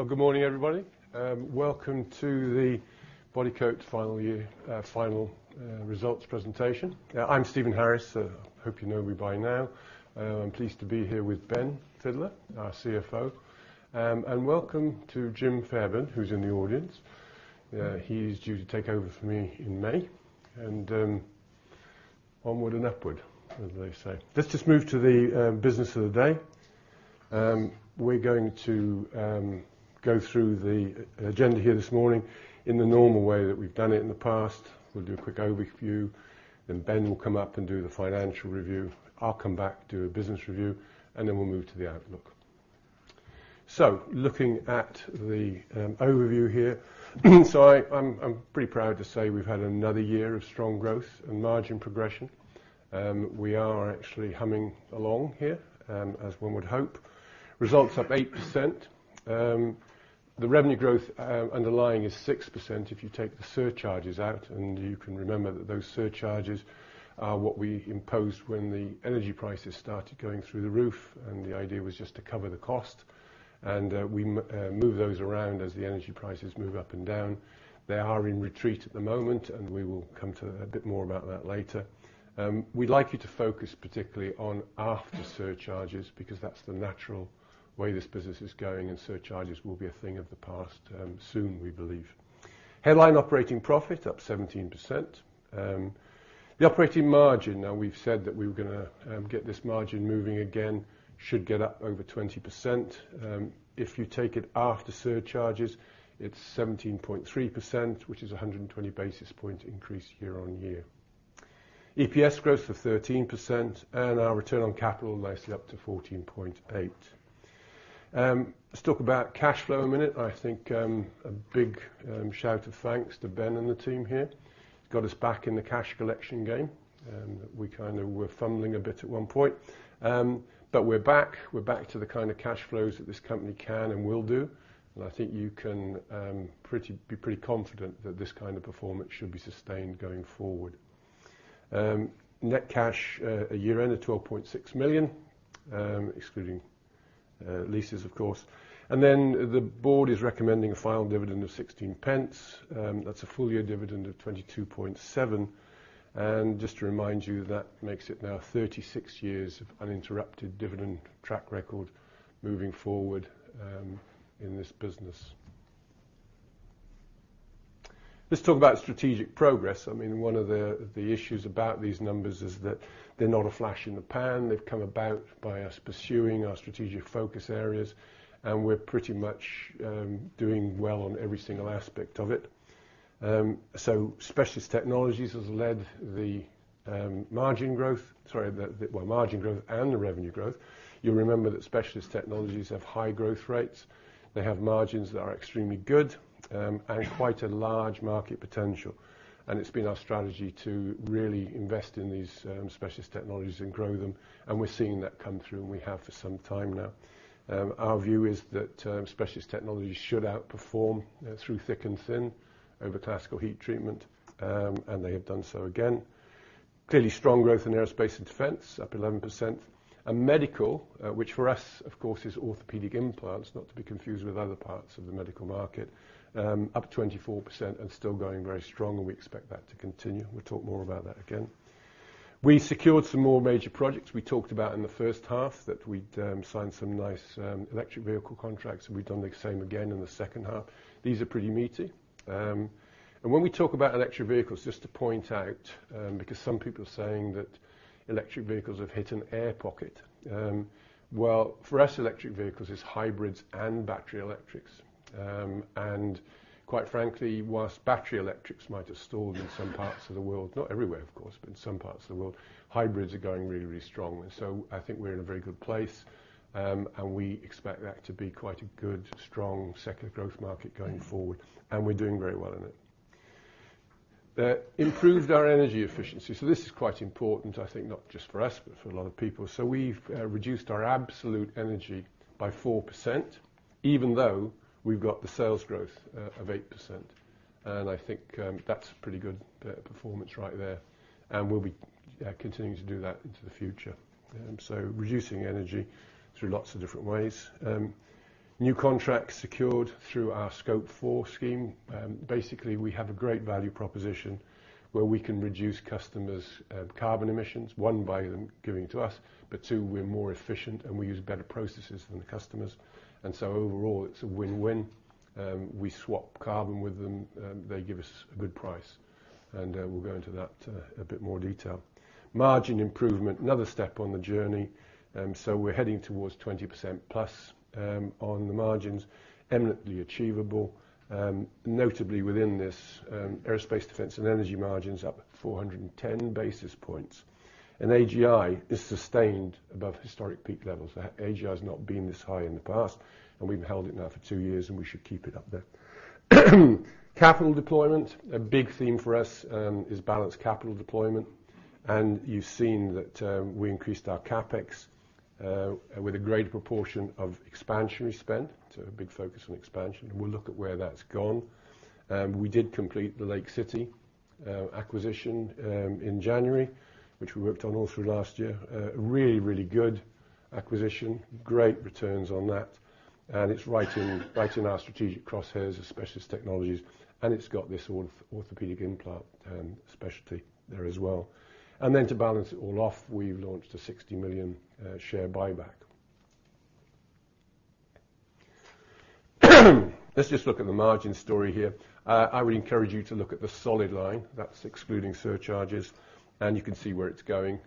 Well, good morning, everybody. Welcome to the Bodycote final year final results presentation. I'm Stephen Harris. Hope you know me by now. I'm pleased to be here with Ben Fidler, our CFO. And welcome to Jim Fairbairn, who's in the audience. He is due to take over for me in May, and onward and upward, as they say. Let's just move to the business of the day. We're going to go through the agenda here this morning in the normal way that we've done it in the past. We'll do a quick overview, then Ben will come up and do the financial review. I'll come back, do a business review, and then we'll move to the outlook. So looking at the overview here, so I'm pretty proud to say we've had another year of strong growth and margin progression. We are actually humming along here, as one would hope. Results up 8%. The revenue growth underlying is 6% if you take the surcharges out, and you can remember that those surcharges are what we imposed when the energy prices started going through the roof, and the idea was just to cover the cost. We move those around as the energy prices move up and down. They are in retreat at the moment, and we will come to a bit more about that later. We'd like you to focus particularly on after surcharges, because that's the natural way this business is going, and surcharges will be a thing of the past, soon, we believe. Headline operating profit up 17%. The operating margin, now we've said that we were gonna get this margin moving again, should get up over 20%. If you take it after surcharges, it's 17.3%, which is a 120 basis point increase year-on-year. EPS growth of 13%, and our return on capital nicely up to 14.8. Let's talk about cash flow a minute. I think, a big shout of thanks to Ben and the team here. Got us back in the cash collection game, and we kind of were fumbling a bit at one point. But we're back. We're back to the kind of cash flows that this company can and will do, and I think you can be pretty confident that this kind of performance should be sustained going forward. Net cash at year-end of 12.6 million, excluding leases, of course. And then the board is recommending a final dividend of 16 pence. That's a full-year dividend of 22.7. And just to remind you, that makes it now 36 years of uninterrupted dividend track record moving forward, in this business. Let's talk about strategic progress. I mean, one of the issues about these numbers is that they're not a flash in the pan. They've come about by us pursuing our strategic focus areas, and we're pretty much doing well on every single aspect of it. So Specialist Technologies has led the margin growth and the revenue growth. You'll remember that specialist technologies have high growth rates, they have margins that are extremely good, and quite a large market potential. And it's been our strategy to really invest in these specialist technologies and grow them, and we're seeing that come through, and we have for some time now. Our view is that Specialist Technologies should outperform through thick and thin over Classical Heat Treatment, and they have done so again. Clearly strong growth in aerospace and defense, up 11%. And medical, which for us, of course, is orthopedic implants, not to be confused with other parts of the medical market, up 24% and still going very strong, and we expect that to continue. We'll talk more about that again. We secured some more major projects. We talked about in the first half that we'd signed some nice electric vehicle contracts, and we've done the same again in the second half. These are pretty meaty. And when we talk about electric vehicles, just to point out, because some people are saying that electric vehicles have hit an air pocket. Well, for us, electric vehicles is hybrids and battery electrics. And quite frankly, while battery electrics might have stalled in some parts of the world, not everywhere, of course, but in some parts of the world, hybrids are going really, really strongly. So I think we're in a very good place. And we expect that to be quite a good, strong second growth market going forward, and we're doing very well in it. Improved our energy efficiency. So this is quite important, I think, not just for us, but for a lot of people. So we've reduced our absolute energy by 4%, even though we've got the sales growth of 8%, and I think, that's pretty good performance right there, and we'll be continuing to do that into the future. So reducing energy through lots of different ways. New contracts secured through our Scope 4 scheme. Basically, we have a great value proposition where we can reduce customers' carbon emissions, one, by them giving to us, but two, we're more efficient, and we use better processes than the customers. And so overall, it's a win-win. We swap carbon with them, they give us a good price, and we'll go into that a bit more detail. Margin improvement, another step on the journey, so we're heading towards 20% plus, on the margins, eminently achievable. Notably within this, aerospace, defense, and energy margins, up 410 basis points. AGI is sustained above historic peak levels. AGI has not been this high in the past, and we've held it now for two years, and we should keep it up there. Capital deployment, a big theme for us, is balanced capital deployment, and you've seen that, we increased our CapEx, with a greater proportion of expansionary spend, so a big focus on expansion. We'll look at where that's gone. We did complete the Lake City acquisition, in January, which we worked on all through last year. Really, really good acquisition, great returns on that, and it's right in, right in our strategic crosshairs of specialist technologies, and it's got this orthopedic implant specialty there as well. And then to balance it all off, we've launched a 60 million share buyback. Let's just look at the margin story here. I would encourage you to look at the solid line. That's excluding surcharges, and you can see where it's going.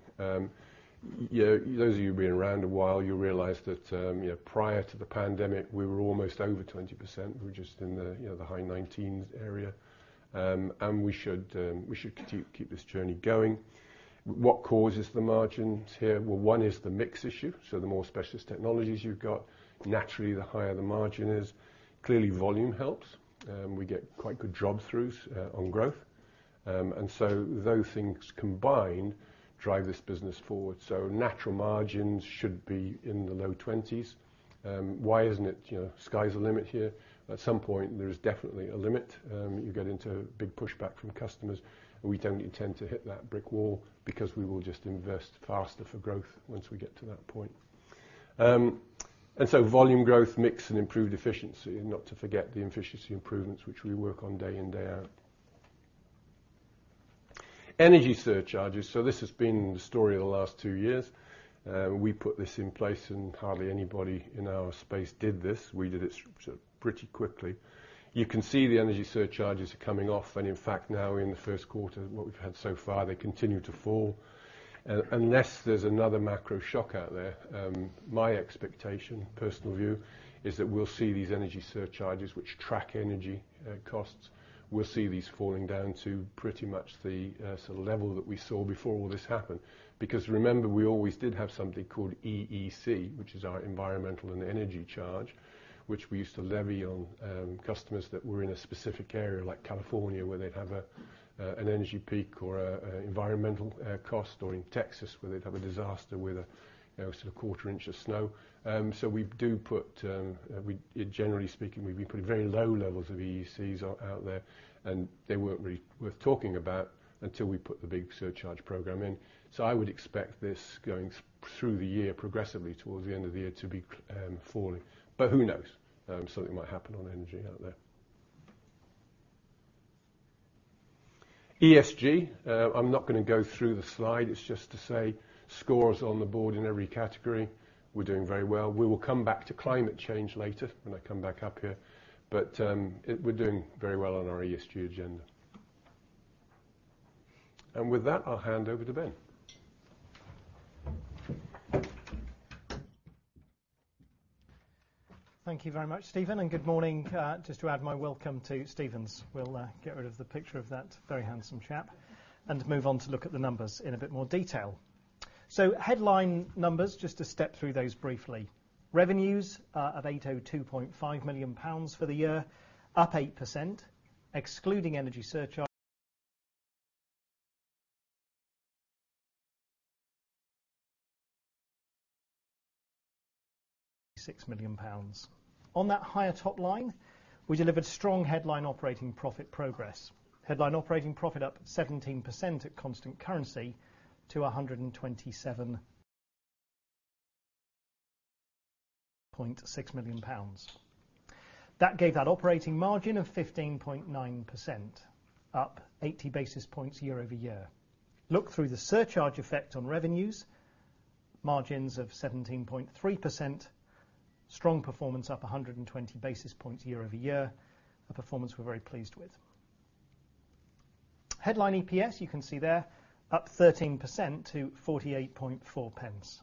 You, those of you who've been around a while, you'll realize that, you know, prior to the pandemic, we were almost over 20%. We're just in the, you know, the high 19s area. And we should keep this journey going. What causes the margins here? Well, one is the mix issue, so the more specialist technologies you've got, naturally, the higher the margin is. Clearly, volume helps, and we get quite good drop-throughs on growth. And so those things combined drive this business forward. So natural margins should be in the low 20s. Why isn't it, you know, sky's the limit here? At some point, there is definitely a limit. You get into big pushback from customers, and we don't intend to hit that brick wall because we will just invest faster for growth once we get to that point. And so volume growth, mix, and improved efficiency, not to forget the efficiency improvements, which we work on day in, day out. Energy surcharges, so this has been the story of the last two years. We put this in place, and hardly anybody in our space did this. We did it sort of pretty quickly. You can see the energy surcharges are coming off, and in fact, now in the first quarter, what we've had so far, they continue to fall. Unless there's another macro shock out there, my expectation, personal view, is that we'll see these energy surcharges, which track energy costs, we'll see these falling down to pretty much the sort of level that we saw before all this happened. Because remember, we always did have something called EEC, which is our environmental and energy charge, which we used to levy on customers that were in a specific area, like California, where they'd have an energy peak or an environmental cost, or in Texas, where they'd have a disaster with a you know sort of quarter inch of snow. So we do put, we... Generally speaking, we put very low levels of EECs out there, and they weren't really worth talking about until we put the big surcharge program in. So I would expect this going through the year progressively towards the end of the year to be falling. But who knows? Something might happen on energy out there. ESG, I'm not gonna go through the slide. It's just to say, scores on the board in every category. We're doing very well. We will come back to climate change later when I come back up here, but we're doing very well on our ESG agenda. And with that, I'll hand over to Ben. Thank you very much, Stephen, and good morning. Just to add my welcome to Stephen's. We'll get rid of the picture of that very handsome chap and move on to look at the numbers in a bit more detail. So headline numbers, just to step through those briefly. Revenues are at 802.5 million pounds for the year, up 8%, excluding energy surcharges, 36 million pounds. On that higher top line, we delivered strong headline operating profit progress. Headline operating profit up 17% at constant currency to 127.6 million pounds. That gave that operating margin of 15.9%, up 80 basis points year-over-year. Look through the surcharge effect on revenues, margins of 17.3%, strong performance up 120 basis points year-over-year, a performance we're very pleased with. Headline EPS, you can see there, up 13% to 0.484.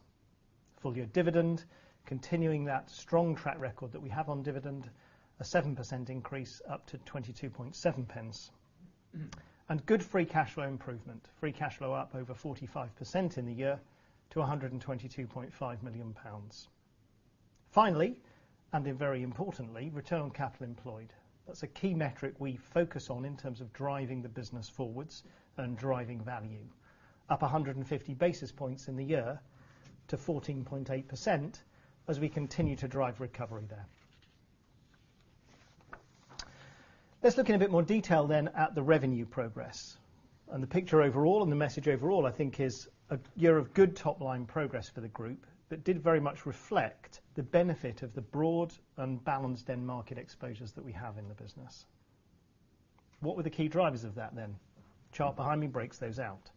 Full year dividend, continuing that strong track record that we have on dividend, a 7% increase up to 0.227. And good free cash flow improvement. Free cash flow up over 45% in the year to 122.5 million pounds. Finally, and then very importantly, return on capital employed. That's a key metric we focus on in terms of driving the business forwards and driving value. Up 150 basis points in the year to 14.8%, as we continue to drive recovery there. Let's look in a bit more detail then at the revenue progress. The picture overall and the message overall, I think, is a year of good top-line progress for the group that did very much reflect the benefit of the broad and balanced end market exposures that we have in the business. What were the key drivers of that then? Chart behind me breaks those out.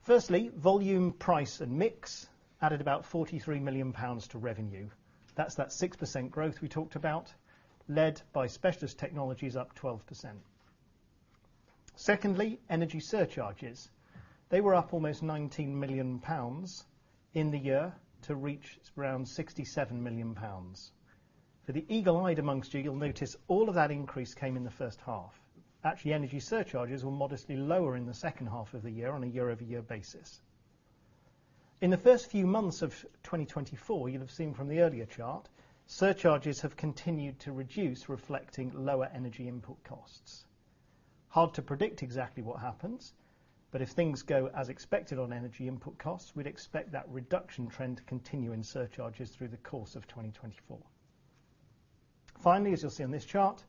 Firstly, volume, price, and mix added about 43 million pounds to revenue. That's the 6% growth we talked about, led by specialist technologies up 12%. Secondly, energy surcharges. They were up almost 19 million pounds in the year to reach around 67 million pounds. For the eagle-eyed among you, you'll notice all of that increase came in the first half. Actually, energy surcharges were modestly lower in the second half of the year on a year-over-year basis. In the first few months of 2024, you'll have seen from the earlier chart, surcharges have continued to reduce, reflecting lower energy input costs. Hard to predict exactly what happens, but if things go as expected on energy input costs, we'd expect that reduction trend to continue in surcharges through the course of 2024. Finally, as you'll see on this chart,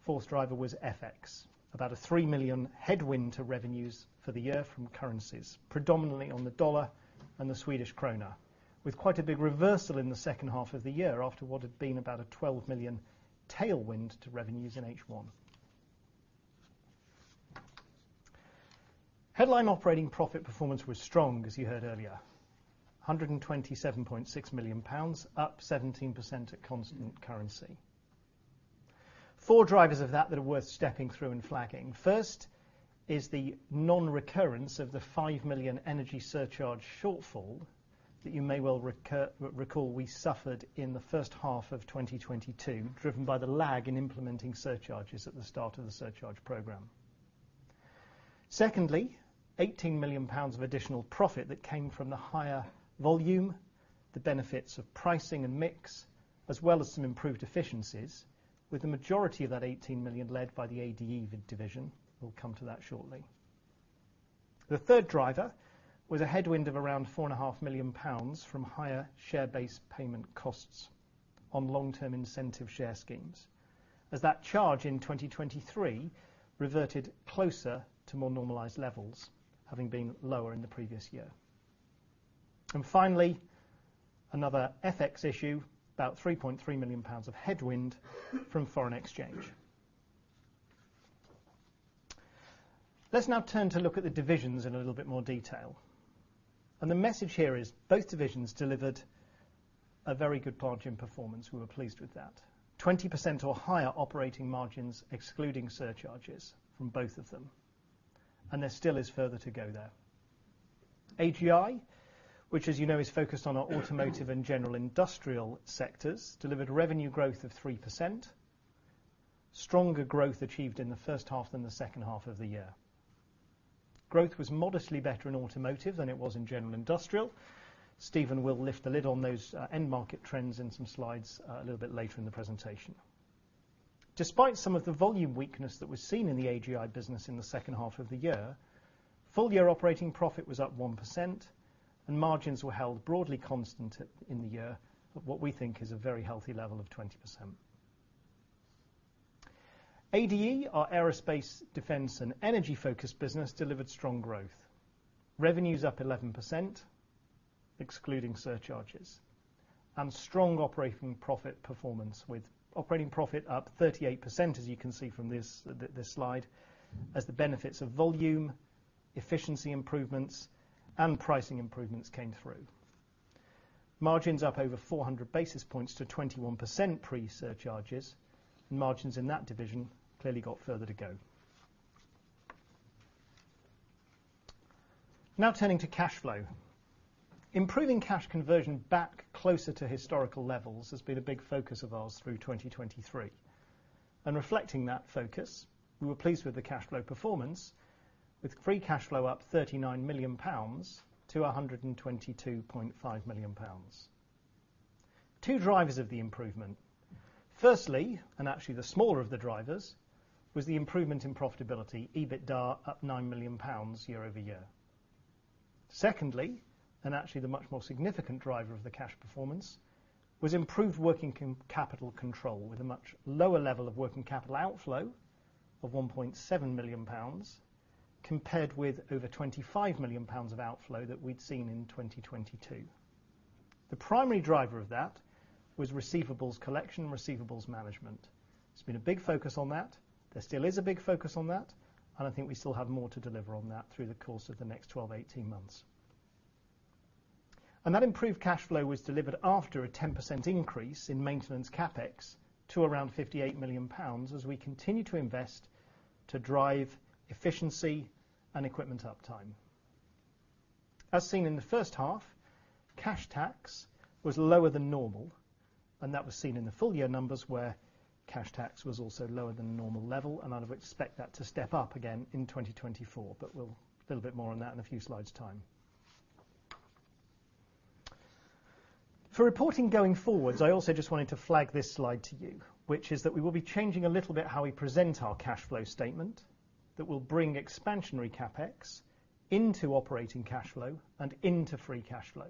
fourth driver was FX, about a 3 million headwind to revenues for the year from currencies, predominantly on the dollar and the Swedish krona, with quite a big reversal in the second half of the year after what had been about a 12 million tailwind to revenues in H1. Headline operating profit performance was strong, as you heard earlier, 127.6 million pounds, up 17% at constant currency. Four drivers of that that are worth stepping through and flagging. First, is the non-recurrence of the 5 million energy surcharge shortfall that you may well recall we suffered in the first half of 2022, driven by the lag in implementing surcharges at the start of the surcharge program. Secondly, 18 million pounds of additional profit that came from the higher volume, the benefits of pricing and mix, as well as some improved efficiencies, with the majority of that 18 million led by the ADE division. We'll come to that shortly. The third driver was a headwind of around 4.5 million pounds from higher share-based payment costs on long-term incentive share schemes, as that charge in 2023 reverted closer to more normalized levels, having been lower in the previous year. And finally, another FX issue, about 3.3 million pounds of headwind from foreign exchange. Let's now turn to look at the divisions in a little bit more detail. The message here is both divisions delivered a very good margin performance. We were pleased with that. 20% or higher operating margins, excluding surcharges from both of them, and there still is further to go there. AGI, which, as you know, is focused on our automotive and general industrial sectors, delivered revenue growth of 3%, stronger growth achieved in the first half than the second half of the year. Growth was modestly better in automotive than it was in general industrial. Stephen will lift the lid on those, end market trends in some slides, a little bit later in the presentation. Despite some of the volume weakness that was seen in the AGI business in the second half of the year, full year operating profit was up 1%, and margins were held broadly constant at, in the year, at what we think is a very healthy level of 20%. ADE, our aerospace, defense, and energy-focused business, delivered strong growth. Revenues up 11%, excluding surcharges, and strong operating profit performance, with operating profit up 38%, as you can see from this slide, as the benefits of volume, efficiency improvements, and pricing improvements came through. Margins up over 400 basis points to 21% pre-surcharges, and margins in that division clearly got further to go. Now, turning to cash flow. Improving cash conversion back closer to historical levels has been a big focus of ours through 2023. Reflecting that focus, we were pleased with the cash flow performance, with free cash flow up 39 million pounds to 122.5 million pounds. Two drivers of the improvement. Firstly, and actually the smaller of the drivers, was the improvement in profitability. EBITDA up 9 million pounds year-over-year. Secondly, and actually the much more significant driver of the cash performance, was improved working capital control, with a much lower level of working capital outflow of 1.7 million pounds, compared with over 25 million pounds of outflow that we'd seen in 2022. The primary driver of that was receivables collection, receivables management. It's been a big focus on that, there still is a big focus on that, and I think we still have more to deliver on that through the course of the next 12-18 months. And that improved cash flow was delivered after a 10% increase in maintenance CapEx to around 58 million pounds, as we continue to invest to drive efficiency and equipment uptime. As seen in the first half, cash tax was lower than normal, and that was seen in the full year numbers, where cash tax was also lower than normal level, and I'd expect that to step up again in 2024, but we'll... Little bit more on that in a few slides' time. For reporting going forward, I also just wanted to flag this slide to you, which is that we will be changing a little bit how we present our cash flow statement, that will bring expansionary CapEx into operating cash flow and into free cash flow.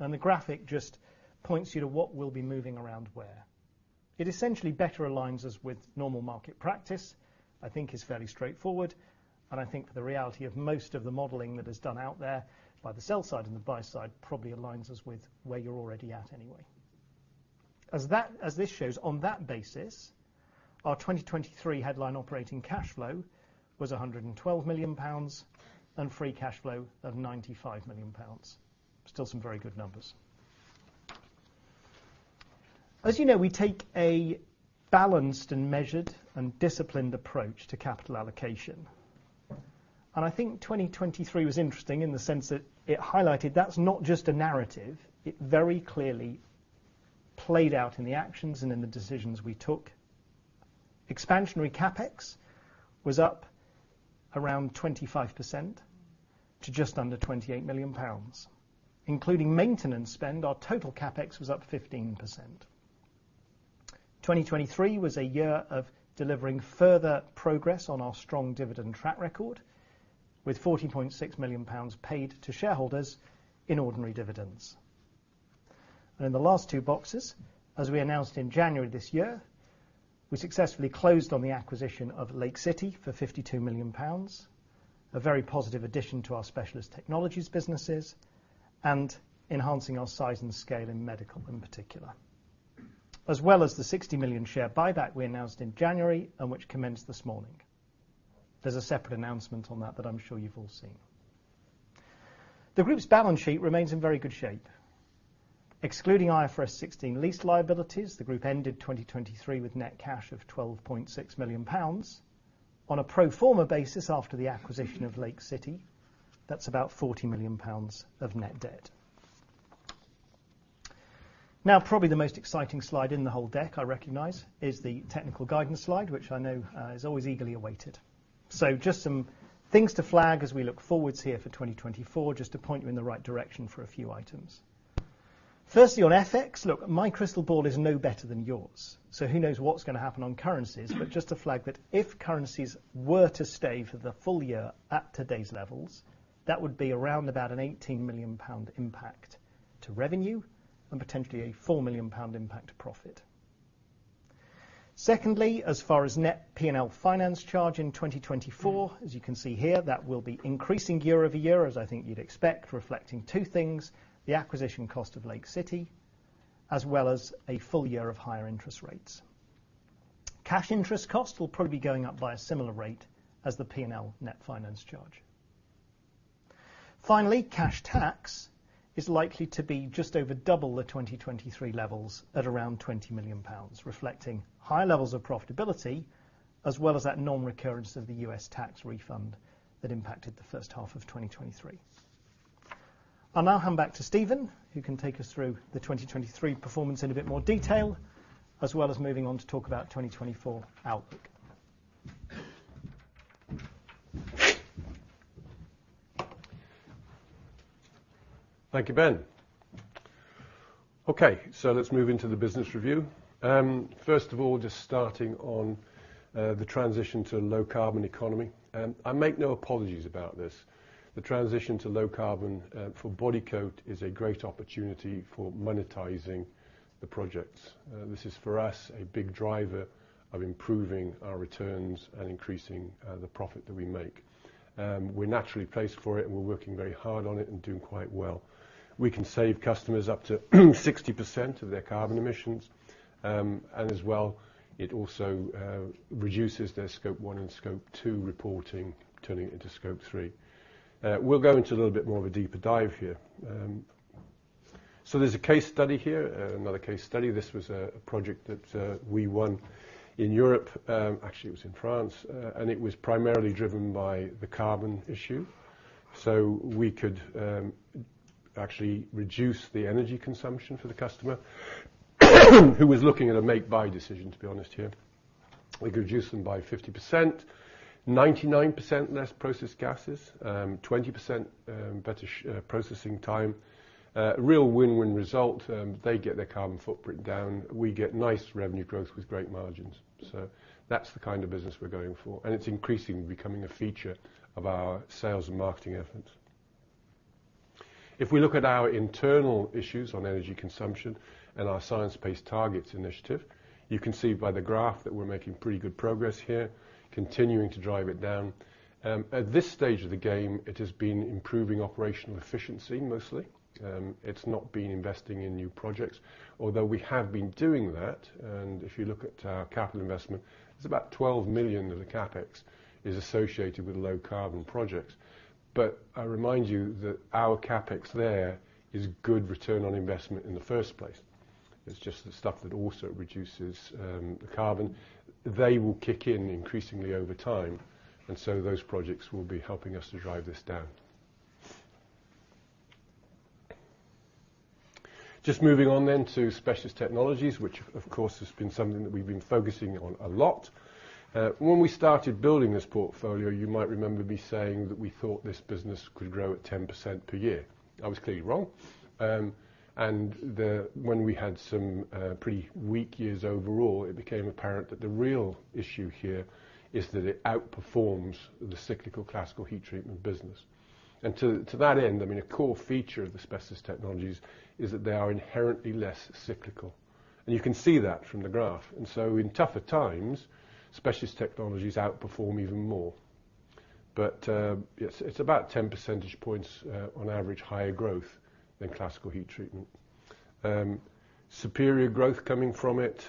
And the graphic just points you to what we'll be moving around where. It essentially better aligns us with normal market practice, I think is fairly straightforward, and I think for the reality of most of the modeling that is done out there by the sell side and the buy side, probably aligns us with where you're already at anyway. As this shows, on that basis, our 2023 headline operating cash flow was 112 million pounds, and free cash flow of 95 million pounds. Still some very good numbers. As you know, we take a balanced and measured, and disciplined approach to capital allocation, and I think 2023 was interesting in the sense that it highlighted that's not just a narrative, it very clearly played out in the actions and in the decisions we took. Expansionary CapEx was up around 25% to just under 28 million pounds. Including maintenance spend, our total CapEx was up 15%. 2023 was a year of delivering further progress on our strong dividend track record... with 40.6 million pounds paid to shareholders in ordinary dividends. And in the last two boxes, as we announced in January this year, we successfully closed on the acquisition of Lake City for 52 million pounds, a very positive addition to our specialist technologies businesses, and enhancing our size and scale in medical, in particular. As well as the 60 million share buyback we announced in January, and which commenced this morning. There's a separate announcement on that, that I'm sure you've all seen. The group's balance sheet remains in very good shape. Excluding IFRS 16 lease liabilities, the group ended 2023 with net cash of 12.6 million pounds. On a pro forma basis, after the acquisition of Lake City, that's about 40 million pounds of net debt. Now, probably the most exciting slide in the whole deck, I recognize, is the technical guidance slide, which I know, is always eagerly awaited. So just some things to flag as we look forward here for 2024, just to point you in the right direction for a few items. Firstly, on FX, look, my crystal ball is no better than yours, so who knows what's gonna happen on currencies? But just to flag that if currencies were to stay for the full year at today's levels, that would be around about a 18 million pound impact to revenue, and potentially a 4 million pound impact to profit. Secondly, as far as net P&L finance charge in 2024, as you can see here, that will be increasing year-over-year, as I think you'd expect, reflecting two things: the acquisition cost of Lake City, as well as a full year of higher interest rates. Cash interest costs will probably be going up by a similar rate as the P&L net finance charge. Finally, cash tax is likely to be just over double the 2023 levels, at around 20 million pounds, reflecting high levels of profitability, as well as that non-recurrence of the U.S. tax refund that impacted the first half of 2023. I'll now hand back to Stephen, who can take us through the 2023 performance in a bit more detail, as well as moving on to talk about 2024 outlook. Thank you, Ben. Okay, so let's move into the business review. First of all, just starting on the transition to a low carbon economy, and I make no apologies about this. The transition to low carbon for Bodycote is a great opportunity for monetizing the projects. This is, for us, a big driver of improving our returns and increasing the profit that we make. We're naturally placed for it, and we're working very hard on it and doing quite well. We can save customers up to 60% of their carbon emissions, and as well, it also reduces their Scope 1 and Scope 2 reporting, turning it into Scope 3. We'll go into a little bit more of a deeper dive here. So there's a case study here, another case study. This was a project that we won in Europe. Actually, it was in France, and it was primarily driven by the carbon issue. So we could actually reduce the energy consumption for the customer, who was looking at a make/buy decision, to be honest here. We could reduce them by 50%, 99% less processed gases, 20% better processing time. Real win-win result. They get their carbon footprint down. We get nice revenue growth with great margins. So that's the kind of business we're going for, and it's increasingly becoming a feature of our sales and marketing efforts. If we look at our internal issues on energy consumption and our science-based targets initiative, you can see by the graph that we're making pretty good progress here, continuing to drive it down. At this stage of the game, it has been improving operational efficiency, mostly. It's not been investing in new projects, although we have been doing that, and if you look at our capital investment, it's about 12 million of the CapEx is associated with low-carbon projects. But I remind you that our CapEx there is good return on investment in the first place. It's just the stuff that also reduces the carbon. They will kick in increasingly over time, and so those projects will be helping us to drive this down. Just moving on then to specialist technologies, which, of course, has been something that we've been focusing on a lot. When we started building this portfolio, you might remember me saying that we thought this business could grow at 10% per year. I was clearly wrong. And the when we had some pretty weak years overall, it became apparent that the real issue here is that it outperforms the cyclical, classical heat treatment business. And to that end, I mean, a core feature of the specialist technologies is that they are inherently less cyclical, and you can see that from the graph. And so in tougher times, specialist technologies outperform even more. But yes, it's about 10 percentage points, on average, higher growth than classical heat treatment. Superior growth coming from it,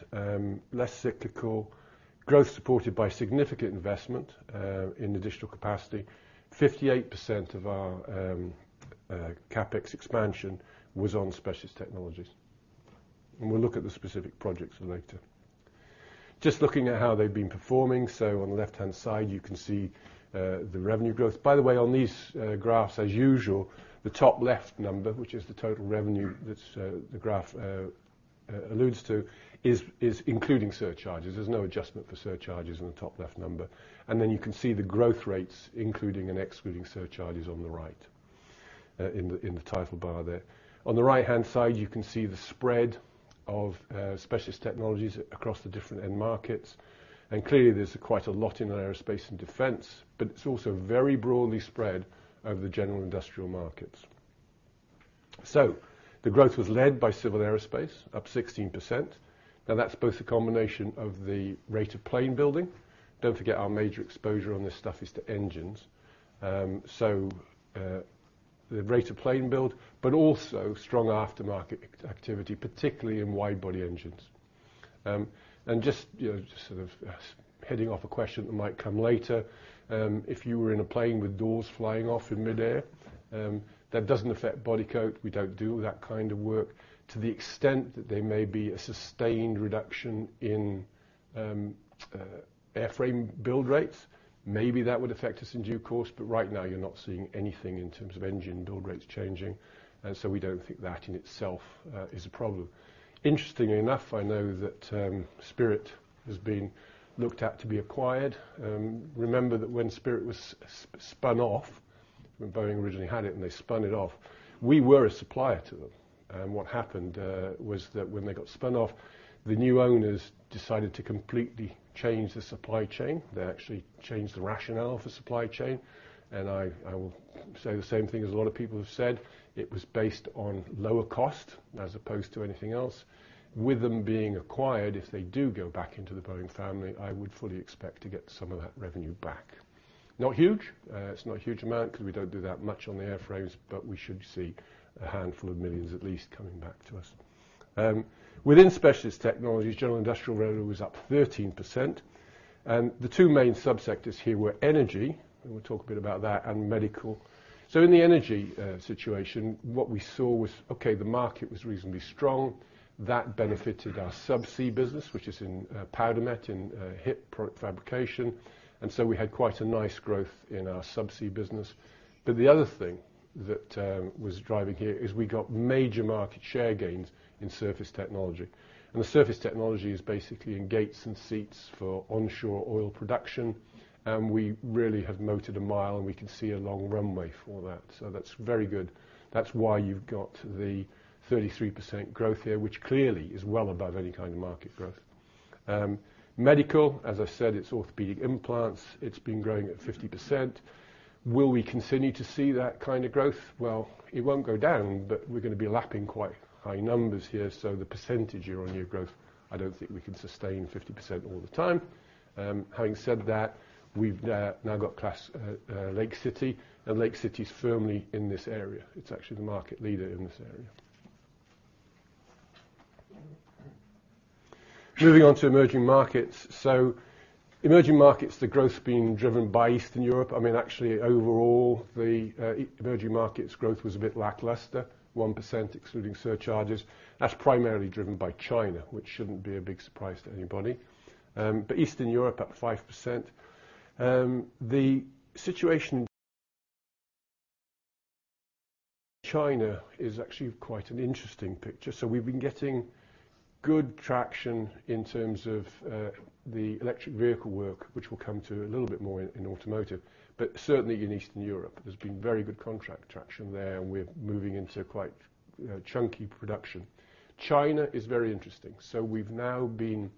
less cyclical, growth supported by significant investment in additional capacity. 58% of our CapEx expansion was on specialist technologies, and we'll look at the specific projects later. Just looking at how they've been performing, so on the left-hand side, you can see the revenue growth. By the way, on these graphs, as usual, the top left number, which is the total revenue that the graph alludes to, is including surcharges. There's no adjustment for surcharges in the top left number. And then you can see the growth rates, including and excluding surcharges on the right in the title bar there. On the right-hand side, you can see the spread of specialist technologies across the different end markets, and clearly there's quite a lot in aerospace and defense, but it's also very broadly spread over the general industrial markets. So the growth was led by civil aerospace, up 16%. Now, that's both a combination of the rate of plane building. Don't forget, our major exposure on this stuff is to engines. The rate of plane build, but also strong aftermarket activity, particularly in wide body engines. And just, you know, just sort of heading off a question that might come later, if you were in a plane with doors flying off in midair, that doesn't affect Bodycote. We don't do that kind of work. To the extent that there may be a sustained reduction in airframe build rates, maybe that would affect us in due course, but right now you're not seeing anything in terms of engine build rates changing, and so we don't think that, in itself, is a problem. Interestingly enough, I know that Spirit has been looked at to be acquired. Remember that when Spirit was spun off, when Boeing originally had it, and they spun it off, we were a supplier to them. What happened was that when they got spun off, the new owners decided to completely change the supply chain. They actually changed the rationale for supply chain, and I will say the same thing as a lot of people have said, it was based on lower cost as opposed to anything else. With them being acquired, if they do go back into the Boeing family, I would fully expect to get some of that revenue back. Not huge. It's not a huge amount, because we don't do that much on the airframes, but we should see $ a handful of millions at least coming back to us. Within specialist technologies, general industrial revenue was up 13%, and the two main sub-sectors here were energy, and we'll talk a bit about that, and medical. So in the energy situation, what we saw was, okay, the market was reasonably strong. That benefited our subsea business, which is in Powdermet, in HIP pro-fabrication, and so we had quite a nice growth in our subsea business. But the other thing that was driving here is we got major market share gains in surface technology, and the surface technology is basically in gates and seats for onshore oil production, and we really have moted a mile, and we can see a long runway for that, so that's very good. That's why you've got the 33% growth here, which clearly is well above any kind of market growth. Medical, as I said, it's orthopedic implants. It's been growing at 50%. Will we continue to see that kind of growth? Well, it won't go down, but we're gonna be lapping quite high numbers here, so the percentage year-on-year growth, I don't think we can sustain 50% all the time. Having said that, we've now got Lake City, and Lake City's firmly in this area. It's actually the market leader in this area. Moving on to emerging markets. So emerging markets, the growth being driven by Eastern Europe. I mean, actually, overall, the emerging markets growth was a bit lackluster, 1%, excluding surcharges. That's primarily driven by China, which shouldn't be a big surprise to anybody. But Eastern Europe, up 5%. The situation in China is actually quite an interesting picture. So we've been getting good traction in terms of the electric vehicle work, which we'll come to a little bit more in, in automotive, but certainly in Eastern Europe, there's been very good contract traction there, and we're moving into quite chunky production. China is very interesting. So we've now been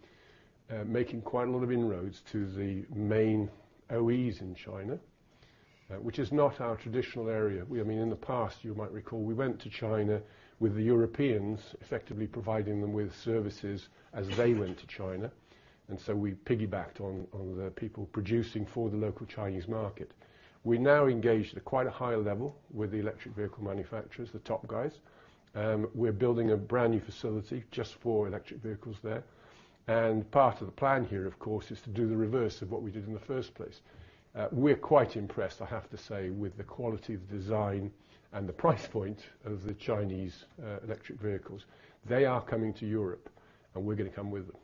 making quite a lot of inroads to the main OEs in China, which is not our traditional area. We, I mean, in the past, you might recall, we went to China with the Europeans, effectively providing them with services as they went to China, and so we piggybacked on the people producing for the local Chinese market. We now engage at quite a high level with the electric vehicle manufacturers, the top guys. We're building a brand-new facility just for electric vehicles there, and part of the plan here, of course, is to do the reverse of what we did in the first place. We're quite impressed, I have to say, with the quality of the design and the price point of the Chinese electric vehicles. They are coming to Europe, and we're gonna come with them.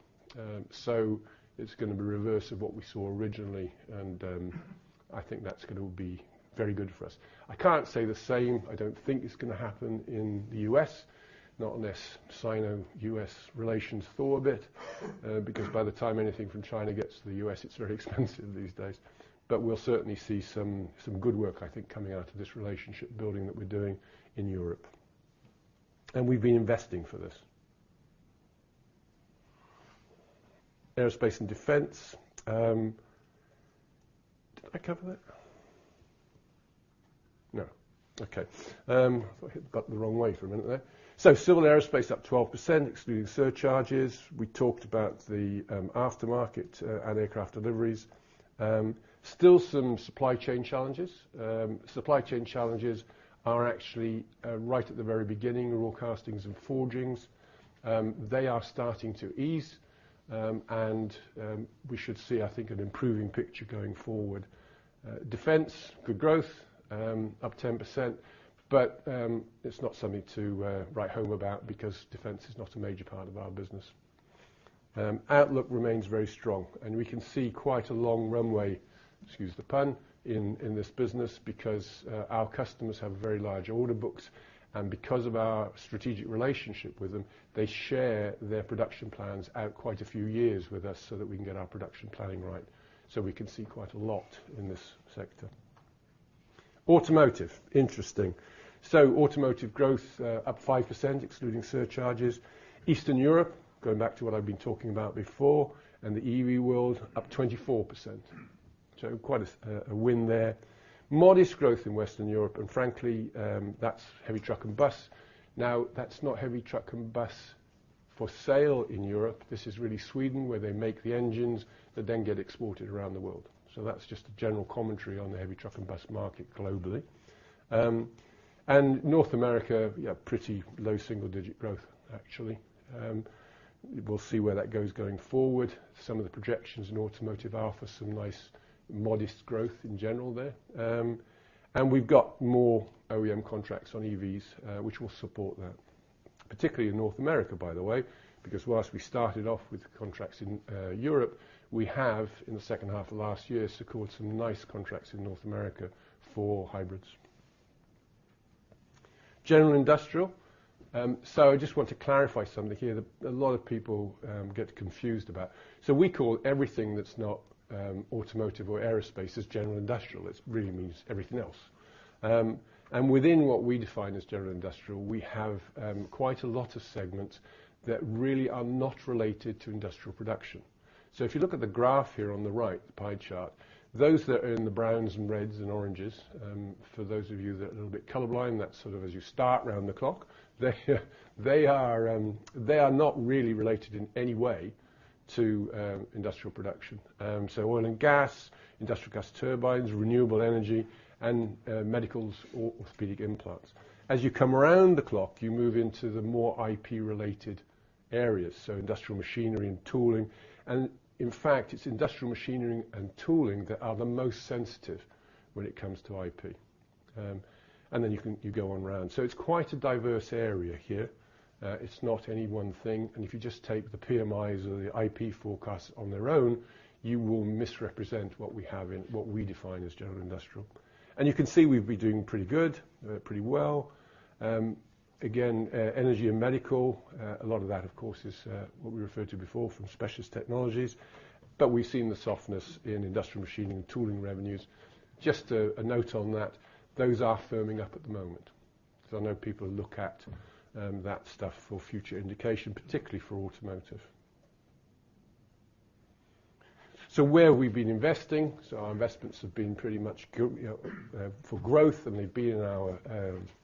So it's gonna be reverse of what we saw originally, and I think that's gonna be very good for us. I can't say the same. I don't think it's gonna happen in the U.S., not unless Sino-U.S. relations thaw a bit, because by the time anything from China gets to the U.S., it's very expensive these days. But we'll certainly see some good work, I think, coming out of this relationship building that we're doing in Europe. We've been investing for this. Aerospace and defense. Did I cover that? No. Okay. Thought I had got the wrong way for a minute there. Civil aerospace up 12%, excluding surcharges. We talked about the aftermarket and aircraft deliveries. Still some supply chain challenges. Supply chain challenges are actually right at the very beginning, raw castings and forgings. They are starting to ease, and we should see, I think, an improving picture going forward. Defense, good growth, up 10%, but it's not something to write home about because defense is not a major part of our business. Outlook remains very strong, and we can see quite a long runway, excuse the pun, in this business because our customers have very large order books, and because of our strategic relationship with them, they share their production plans out quite a few years with us so that we can get our production planning right. So we can see quite a lot in this sector. Automotive, interesting. So automotive growth up 5%, excluding surcharges. Eastern Europe, going back to what I've been talking about before, and the EV world, up 24%. So quite a win there. Modest growth in Western Europe, and frankly, that's heavy truck and bus. Now, that's not heavy truck and bus for sale in Europe. This is really Sweden, where they make the engines that then get exported around the world. So that's just a general commentary on the heavy truck and bus market globally. And North America, yeah, pretty low single digit growth, actually. We'll see where that goes going forward. Some of the projections in automotive are for some nice, modest growth in general there. And we've got more OEM contracts on EVs, which will support that, particularly in North America, by the way, because whilst we started off with contracts in Europe, we have, in the second half of last year, secured some nice contracts in North America for hybrids. General Industrial. So I just want to clarify something here that a lot of people get confused about. So we call everything that's not automotive or aerospace as general industrial. It really means everything else. And within what we define as general industrial, we have quite a lot of segments that really are not related to industrial production. So if you look at the graph here on the right, the pie chart, those that are in the browns and reds and oranges, for those of you that are a little bit color blind, that's sort of as you start around the clock, they are not really related in any way to industrial production. So oil and gas, industrial gas turbines, renewable energy, and medicals, or orthopedic implants. As you come around the clock, you move into the more IP-related areas, so industrial machinery and tooling. And in fact, it's industrial machinery and tooling that are the most sensitive when it comes to IP. And then you go on round. So it's quite a diverse area here. It's not any one thing, and if you just take the PMIs or the IP forecasts on their own, you will misrepresent what we have in, what we define as general industrial. And you can see, we've been doing pretty good, pretty well. Again, energy and medical, a lot of that, of course, is what we referred to before from specialist technologies, but we've seen the softness in industrial machining and tooling revenues. Just a note on that, those are firming up at the moment, because I know people look at that stuff for future indication, particularly for automotive. So where we've been investing, so our investments have been pretty much for growth, and they've been in our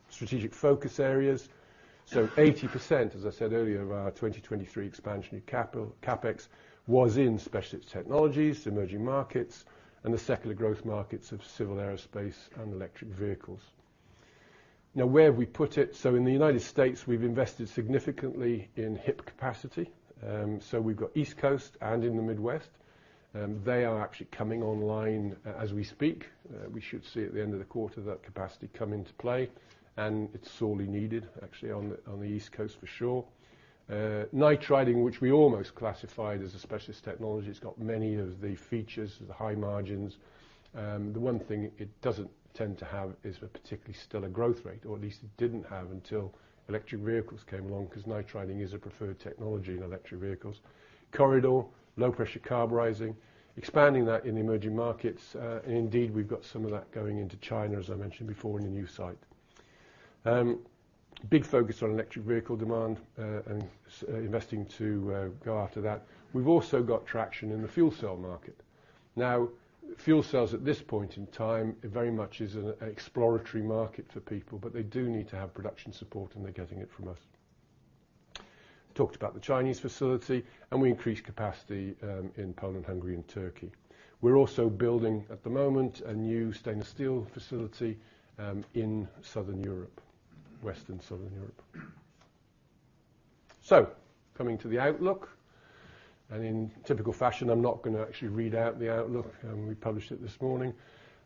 strategic focus areas. So 80%, as I said earlier, of our 2023 expansion capital, CapEx, was in specialist technologies, emerging markets, and the secular growth markets of civil aerospace and electric vehicles. Now, where have we put it? In the United States, we've invested significantly in HIP capacity. So we've got East Coast and in the Midwest. They are actually coming online as we speak. We should see at the end of the quarter that capacity come into play, and it's sorely needed, actually, on the East Coast for sure. Nitriding, which we almost classified as a specialist technology, it's got many of the features, the high margins. The one thing it doesn't tend to have is a particularly stellar growth rate, or at least it didn't have until electric vehicles came along, because nitriding is a preferred technology in electric vehicles. Corr-I-Dur, low pressure carburizing, expanding that in the emerging markets, and indeed, we've got some of that going into China, as I mentioned before, in the new site. Big focus on electric vehicle demand, and investing to go after that. We've also got traction in the fuel cell market. Now, fuel cells at this point in time, it very much is an exploratory market for people, but they do need to have production support, and they're getting it from us. Talked about the Chinese facility, and we increased capacity in Poland, Hungary, and Turkey. We're also building, at the moment, a new stainless steel facility in Southern Europe, Western Southern Europe. So coming to the outlook, and in typical fashion, I'm not gonna actually read out the outlook, we published it this morning.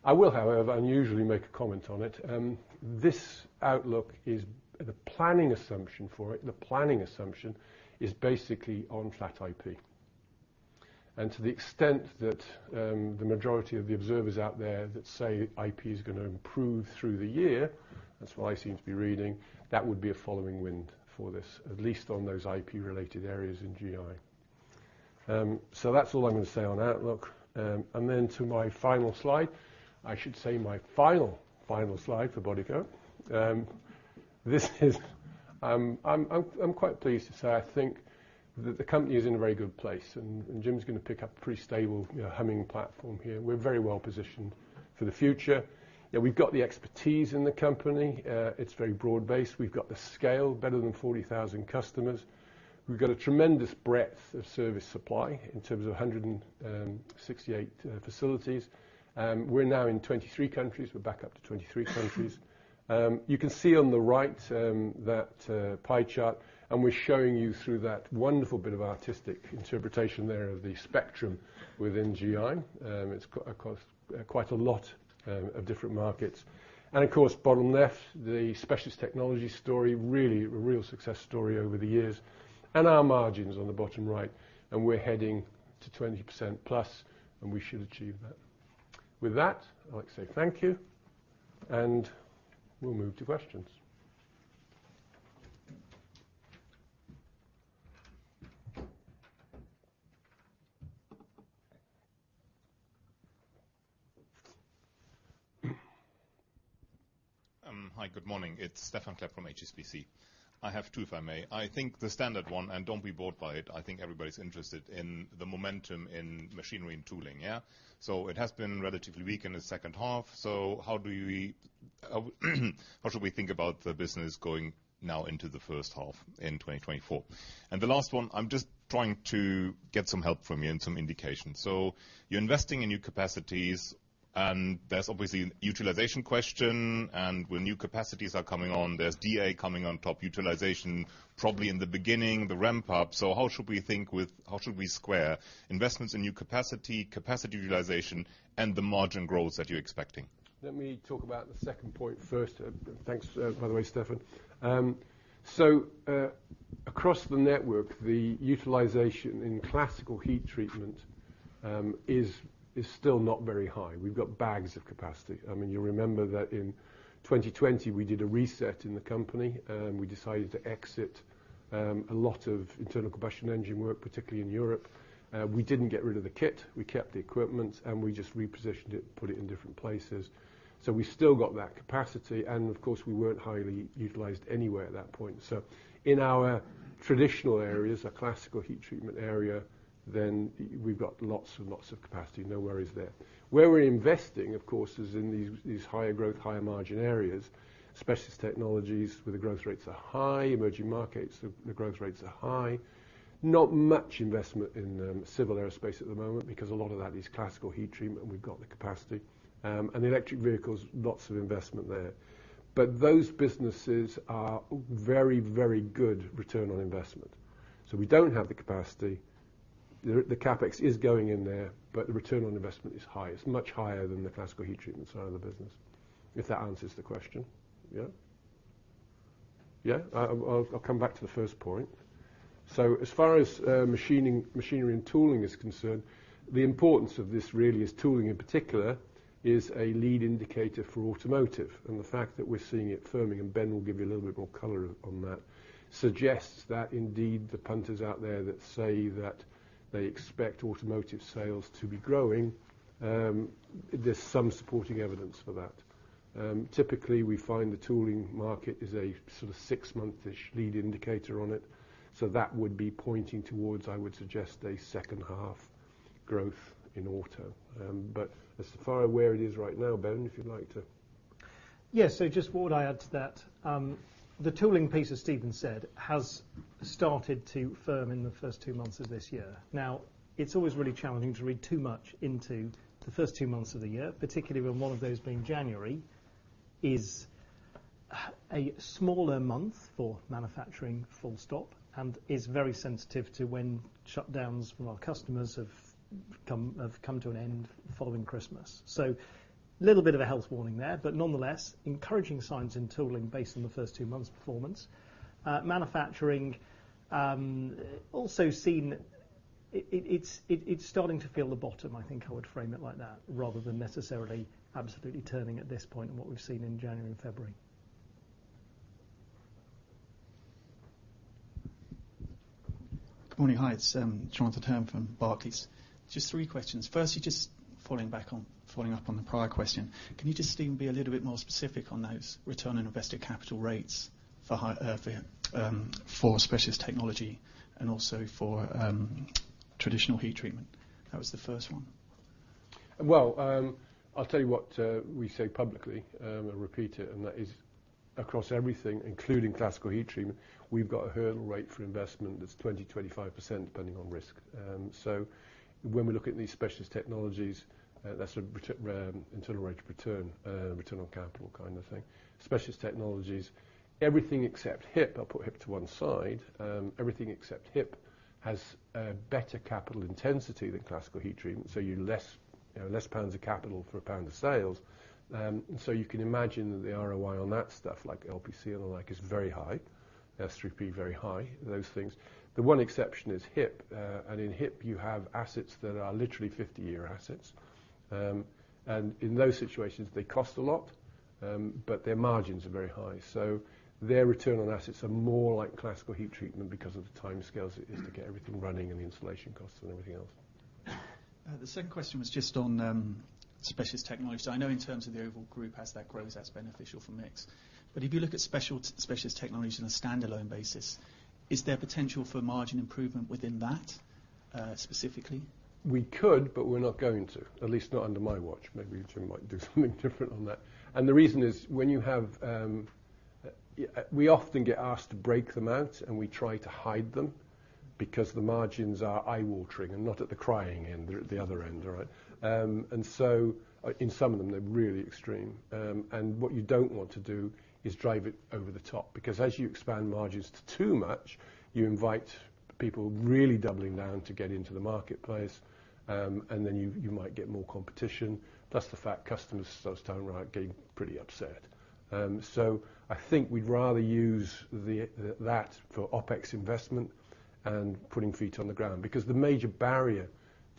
I will, however, unusually make a comment on it. This outlook is the planning assumption for it, the planning assumption is basically on flat HIP. And to the extent that, the majority of the observers out there that say HIP is gonna improve through the year, that's what I seem to be reading, that would be a following wind for this, at least on those HIP-related areas in GI. So that's all I'm gonna say on outlook. And then to my final slide, I should say my final, final slide for Bodycote. This is, I'm quite pleased to say I think that the company is in a very good place, and, and Jim's gonna pick up a pretty stable, you know, humming platform here. We're very well positioned for the future. You know, we've got the expertise in the company. It's very broad-based. We've got the scale, better than 40,000 customers. We've got a tremendous breadth of service supply in terms of 168 facilities. We're now in 23 countries. We're back up to 23 countries. You can see on the right that pie chart, and we're showing you through that wonderful bit of artistic interpretation there of the spectrum within GI. It's got, of course, quite a lot of different markets. And of course, bottom left, the specialist technology story, really, a real success story over the years. And our margins on the bottom right, and we're heading to 20% plus, and we should achieve that. With that, I'd like to say thank you, and we'll move to questions. Hi, good morning. It's Stefan Klepp from HSBC. I have two, if I may. I think the standard one, and don't be bored by it, I think everybody's interested in the momentum in machinery and tooling, yeah? So it has been relatively weak in the second half. So how do you, how should we think about the business going now into the first half in 2024? And the last one, I'm just trying to get some help from you and some indication. So you're investing in new capacities, and there's obviously a utilization question, and when new capacities are coming on, there's D&A coming on top, utilization probably in the beginning, the ramp up. So how should we square investments in new capacity, capacity utilization, and the margin growth that you're expecting? Let me talk about the second point first. Thanks, by the way, Stefan. So, across the network, the utilization in classical heat treatment is still not very high. We've got bags of capacity. I mean, you'll remember that in 2020, we did a reset in the company, and we decided to exit a lot of internal combustion engine work, particularly in Europe. We didn't get rid of the kit, we kept the equipment, and we just repositioned it and put it in different places. So we've still got that capacity, and of course, we weren't highly utilized anywhere at that point. So in our traditional areas, our classical heat treatment area, then we've got lots and lots of capacity. No worries there. Where we're investing, of course, is in these higher growth, higher margin areas, specialist technologies, where the growth rates are high, emerging markets, the growth rates are high. Not much investment in civil aerospace at the moment because a lot of that is classical heat treatment, and we've got the capacity. And electric vehicles, lots of investment there. But those businesses are very, very good return on investment. So we don't have the capacity. The CapEx is going in there, but the return on investment is high. It's much higher than the classical heat treatment side of the business, if that answers the question. Yeah? Yeah, I'll come back to the first point. So as far as machining, machinery and tooling is concerned, the importance of this really is tooling, in particular, is a lead indicator for automotive. The fact that we're seeing it firming, and Ben will give you a little bit more color on that, suggests that indeed, the punters out there that say that they expect automotive sales to be growing, there's some supporting evidence for that. Typically, we find the tooling market is a sort of six-month-ish lead indicator on it, so that would be pointing towards, I would suggest, a second half growth in auto. But as far as where it is right now, Ben, if you'd like to... Yes, so just what I add to that, the tooling piece, as Stephen said, has started to firm in the first two months of this year. Now, it's always really challenging to read too much into the first two months of the year, particularly when one of those, being January, is a smaller month for manufacturing, full stop, and is very sensitive to when shutdowns from our customers have come to an end following Christmas. So little bit of a health warning there, but nonetheless, encouraging signs in tooling based on the first two months' performance. Manufacturing, it's starting to feel the bottom, I think I would frame it like that, rather than necessarily absolutely turning at this point in what we've seen in January and February. Good morning. Hi, it's Jonathan Hurn from Barclays. Just three questions. Firstly, just falling back on, following up on the prior question, can you just, Stephen, be a little bit more specific on those return on invested capital rates for high, for specialist technology and also for traditional heat treatment? That was the first one. Well, I'll tell you what, we say publicly, and repeat it, and that is across everything, including classical heat treatment, we've got a hurdle rate for investment that's 20-25%, depending on risk. So when we look at these specialist technologies, that's a return, internal rate of return, return on capital kind of thing. Specialist technologies, everything except HIP, I'll put HIP to one side, everything except HIP has a better capital intensity than classical heat treatment, so you less, you know, less pounds of capital for a pound of sales. So you can imagine that the ROI on that stuff, like LPC and the like, is very high. S3P, very high, those things. The one exception is HIP. And in HIP you have assets that are literally 50-year assets. In those situations, they cost a lot, but their margins are very high. Their return on assets are more like classical heat treatment because of the timescales it is to get everything running and the installation costs and everything else. The second question was just on specialist technology. So I know in terms of the overall group, as that grows, that's beneficial for mix. But if you look at specialist technology on a standalone basis, is there potential for margin improvement within that, specifically? We could, but we're not going to, at least not under my watch. Maybe your turn might do something different on that. The reason is, when you have... We often get asked to break them out, and we try to hide them because the margins are eye-watering and not at the crying end, they're at the other end, all right? So, in some of them, they're really extreme. And what you don't want to do is drive it over the top, because as you expand margins to too much, you invite people really doubling down to get into the marketplace, and then you, you might get more competition, plus the fact customers start turning around, getting pretty upset. So I think we'd rather use that for OpEx investment and putting feet on the ground, because the major barrier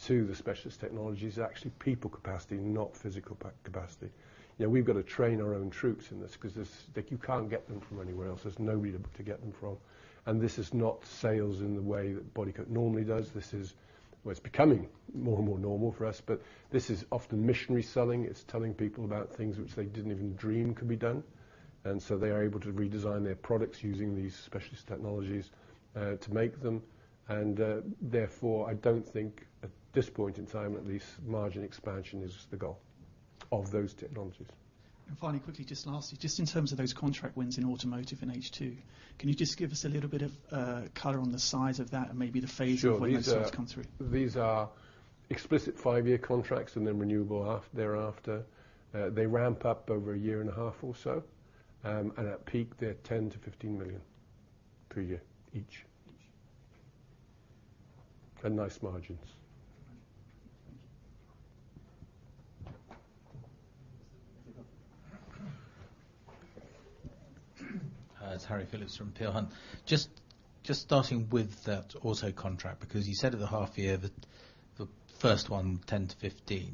to the specialist technology is actually people capacity, not physical capacity. You know, we've got to train our own troops in this, 'cause this, like, you can't get them from anywhere else. There's nowhere to get them from, and this is not sales in the way that Bodycote normally does. This is -- well, it's becoming more and more normal for us, but this is often missionary selling. It's telling people about things which they didn't even dream could be done, and so they are able to redesign their products using these specialist technologies to make them. And therefore, I don't think, at this point in time, at least, margin expansion is the goal of those technologies. Finally, quickly, just lastly, just in terms of those contract wins in automotive in H2, can you just give us a little bit of color on the size of that and maybe the phase of when those things come through? Sure. These are, these are explicit five-year contracts, and they're renewable thereafter. They ramp up over a year and a half or so. And at peak, they're 10 million-15 million per year each. Each. Nice margins. Thank you. It's Harry Philips from Peel Hunt. Just starting with that auto contract, because you said at the half year that the first one, 10-15,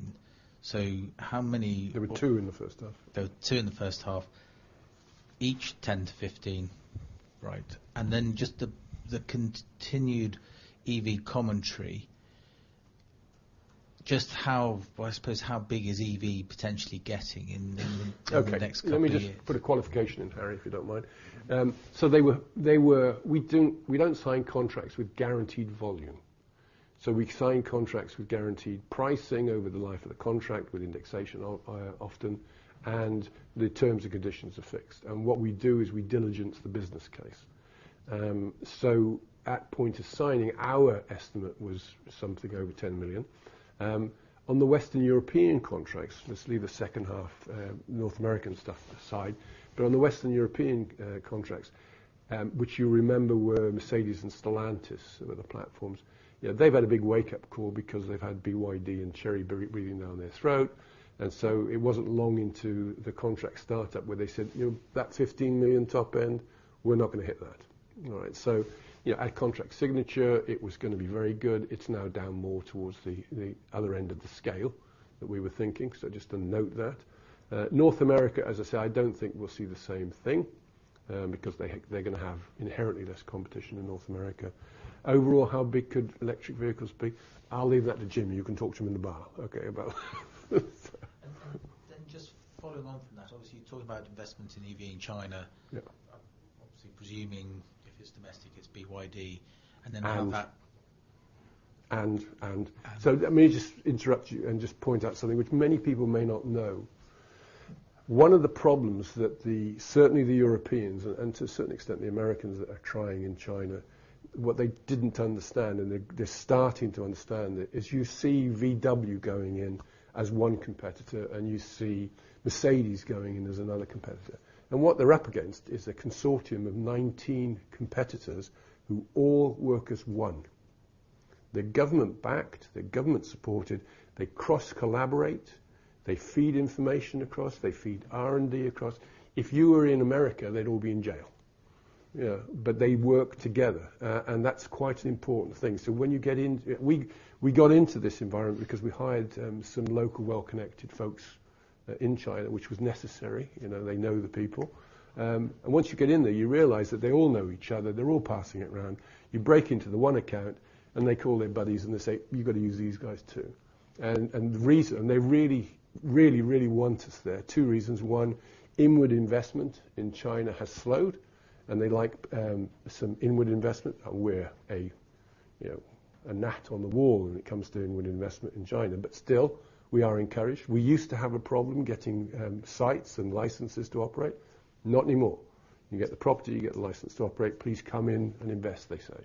so how many- There were two in the first half. There were two in the first half, each 10-15. Right. Then just the continued EV commentary, just how... well, I suppose, how big is EV potentially getting in the next couple years? Okay, let me just put a qualification in, Harry, if you don't mind. So we don't sign contracts with guaranteed volume. So we sign contracts with guaranteed pricing over the life of the contract, with indexation often, and the terms and conditions are fixed. And what we do is we diligence the business case. So at point of signing, our estimate was something over 10 million. On the Western European contracts, let's leave the second half, North American stuff aside. But on the Western European contracts, which you remember were Mercedes and Stellantis were the platforms, you know, they've had a big wake-up call because they've had BYD and Chery breathing down their throat, and so it wasn't long into the contract startup where they said, "You know, that 15 million top end, we're not gonna hit that." All right, so, you know, at contract signature, it was gonna be very good. It's now down more towards the, the other end of the scale than we were thinking, so just to note that. North America, as I say, I don't think we'll see the same thing, because they, they're gonna have inherently less competition in North America. Overall, how big could electric vehicles be? I'll leave that to Jim. You can talk to him in the bar, okay, about that. And then just following on from that, obviously, you talked about investment in EV in China. Yeah. Obviously presuming if it's domestic, it's BYD, and then how that- So let me just interrupt you and just point out something which many people may not know. One of the problems that the certainly the Europeans, and to a certain extent, the Americans that are trying in China, what they didn't understand, and they, they're starting to understand it, is you see VW going in as one competitor, and you see Mercedes going in as another competitor. And what they're up against is a consortium of 19 competitors who all work as one. They're government-backed, they're government-supported, they cross-collaborate, they feed information across, they feed R&D across. If you were in America, they'd all be in jail, yeah, but they work together, and that's quite an important thing. So when you get into this environment because we hired some local, well-connected folks in China, which was necessary. You know, they know the people. And once you get in there, you realize that they all know each other. They're all passing it around. You break into the one account, and they call their buddies, and they say, "You've got to use these guys, too." And, and the reason, they really, really, really want us there, two reasons: one, inward investment in China has slowed, and they'd like, some inward investment, and we're a, you know, a gnat on the wall when it comes to inward investment in China, but still, we are encouraged. We used to have a problem getting, sites and licenses to operate. Not anymore. "You get the property, you get the license to operate, please come in and invest," they say.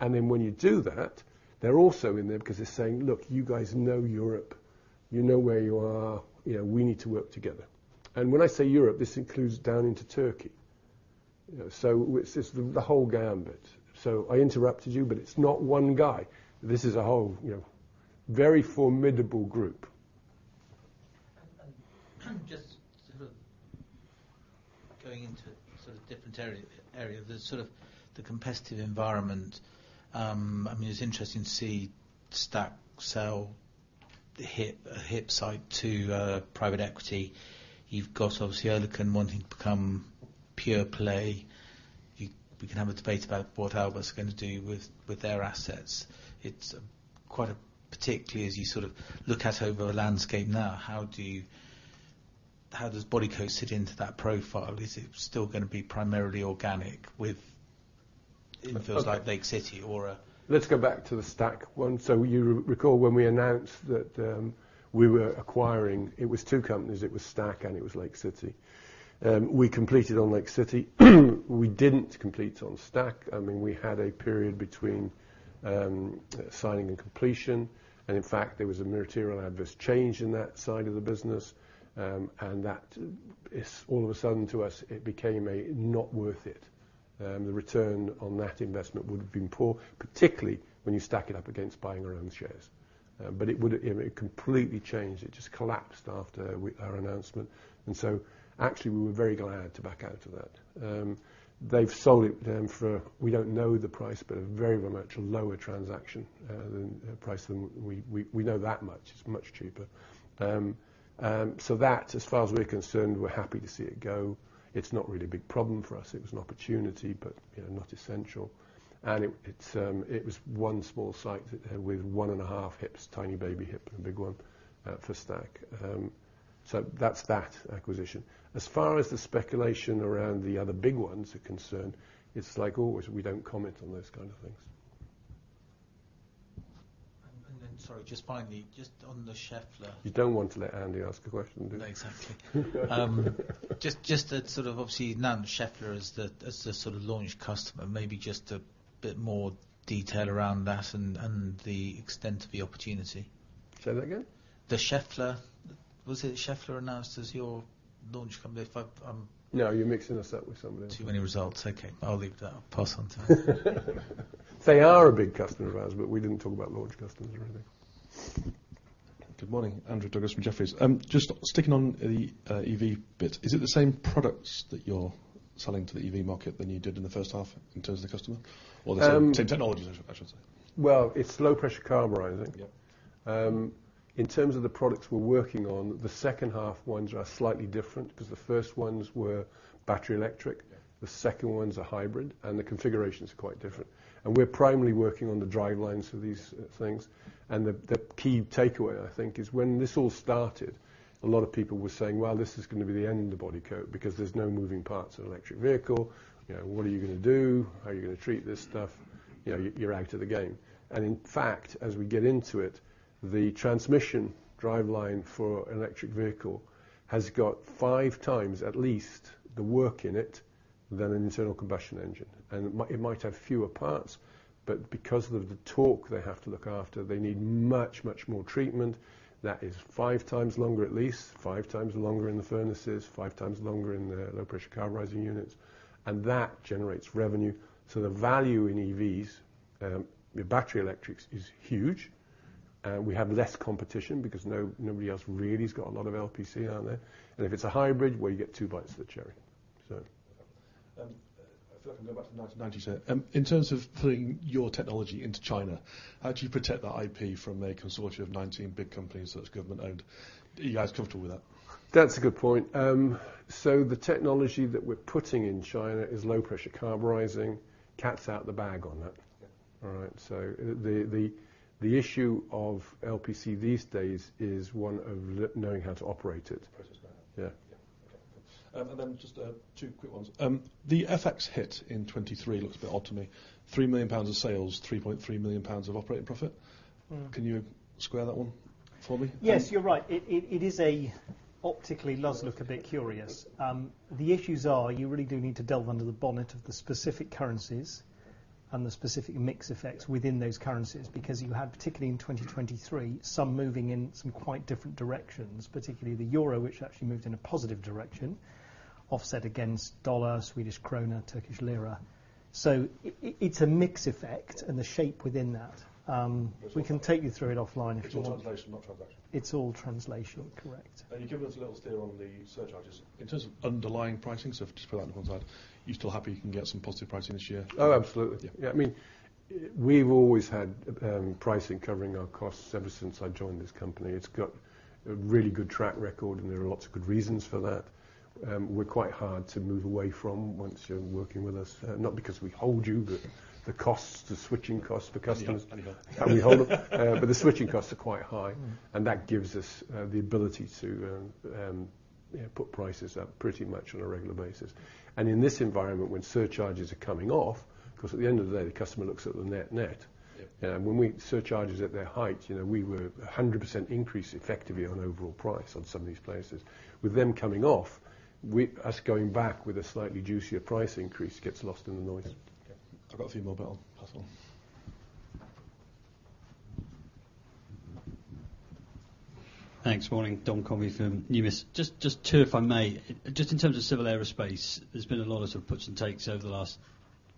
And then when you do that, they're also in there because they're saying: Look, you guys know Europe. You know where you are. You know, we need to work together. And when I say Europe, this includes down into Turkey. You know, so it's just the whole gamut. So I interrupted you, but it's not one guy. This is a whole, you know, very formidable group. And just sort of going into sort of different area, the sort of competitive environment, I mean, it's interesting to see Stack sell the HIP site to private equity. You've got, obviously, Oerlikon wanting to become pure play. We can have a debate about what Aalberts gonna do with their assets. It's quite a, particularly as you sort of look out over the landscape now, how do you, how does Bodycote sit into that profile? Is it still gonna be primarily organic with, it feels like Lake City or a- Let's go back to the Stack one. So you recall when we announced that, we were acquiring, it was two companies, it was STAC, and it was Lake City. We completed on Lake City. We didn't complete on STAC. I mean, we had a period between, signing and completion, and in fact, there was a material adverse change in that side of the business, and that is all of a sudden, to us, it became a not worth it. The return on that investment would have been poor, particularly when you stack it up against buying our own shares. But it would, it, it completely changed. It just collapsed after we, our announcement, and so actually, we were very glad to back out of that. They've sold it then for, we don't know the price, but a very much lower transaction than the price that we know that much. It's much cheaper. So, as far as we're concerned, we're happy to see it go. It's not really a big problem for us. It was an opportunity, but, you know, not essential. And it was one small site with one and half HIPs, tiny baby hip and a big one for Stack. So that's that acquisition. As far as the speculation around the other big ones are concerned, it's like always, we don't comment on those kind of things. And then, sorry, just finally, just on the Schaeffler- You don't want to let Andy ask a question, do you? No, exactly. Just that sort of obviously, and Schaeffler is, as the sort of, launch customer, maybe just a bit more detail around that and the extent of the opportunity. Say that again? The Schaeffler... Was it Schaeffler announced as your launch company? If I, I'm- No, you're mixing us up with somebody else. Too many results. Okay, I'll leave that. I'll pass on to him. They are a big customer of ours, but we didn't talk about launch customers, really. Good morning, Andrew Douglas from Jefferies. Just sticking on the, EV bit, is it the same products that you're selling to the EV market than you did in the first half in terms of the customer? Um- Or the same, same technology, I should say. Well, it's low-pressure carburizing. Yep. In terms of the products we're working on, the second half ones are slightly different because the first ones were battery electric. Yeah. The second ones are hybrid, and the configurations are quite different. And we're primarily working on the drivelines for these things. And the key takeaway, I think, is when this all started, a lot of people were saying, "Well, this is gonna be the end of Bodycote because there's no moving parts of the electric vehicle. You know, what are you gonna do? How are you gonna treat this stuff? You know, you're out of the game." And in fact, as we get into it, the transmission driveline for an electric vehicle has got five times at least the work in it than an internal combustion engine. And it might, it might have fewer parts, but because of the torque they have to look after, they need much, much more treatment. That is 5 times longer, at least, 5 times longer in the furnaces, 5 times longer in the low pressure carburizing units, and that generates revenue. So the value in EVs, the battery electrics, is huge. We have less competition because nobody else really has got a lot of LPC out there. And if it's a hybrid, well, you get two bites of the cherry. So... I feel like I'm going back to 1997. In terms of putting your technology into China, how do you protect the IP from a consortium of 19 big companies that's government-owned? Are you guys comfortable with that? That's a good point. So the technology that we're putting in China is low pressure carburizing. Cat's out of the bag on that. Yeah. All right? So the issue of LPC these days is one of knowing how to operate it. Process now. Yeah. Yeah. Okay. And then just two quick ones. The FX hit in 2023 looks a bit odd to me. 3 million pounds of sales, 3.3 million pounds of operating profit. Mm. Can you square that one for me? Yes, you're right. It is a... Optically, it does look a bit curious. The issues are, you really do need to delve under the bonnet of the specific currencies and the specific mix effects within those currencies, because you had, particularly in 2023, some moving in some quite different directions, particularly the euro, which actually moved in a positive direction, offset against dollar, Swedish krona, Turkish lira. So it's a mix effect and the shape within that. We can take you through it offline if you want. It's all translation, not transaction. It's all translation, correct? You've given us a little steer on the surcharges. In terms of underlying pricing, so just to put that on one side, are you still happy you can get some positive pricing this year? Oh, absolutely. Yeah. Yeah, I mean, we've always had pricing covering our costs ever since I joined this company. It's got a really good track record, and there are lots of good reasons for that. We're quite hard to move away from once you're working with us, not because we hold you, but the costs, the switching costs for customers- Yeah, I know.... We hold them, but the switching costs are quite high, and that gives us the ability to, yeah, put prices up pretty much on a regular basis. And in this environment, when surcharges are coming off, because at the end of the day, the customer looks at the net net. Yeah. When surcharges at their height, you know, we were a 100% increase effectively on overall price on some of these places. With them coming off, us going back with a slightly juicier price increase gets lost in the noise. Yeah. I've got a few more, but I'll pass on. Thanks. Morning, Dom Conway from Numis. Just two, if I may. Just in terms of civil aerospace, there's been a lot of sort of puts and takes over the last